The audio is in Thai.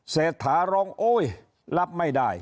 เสถารองโอ้ยรับไม่ได้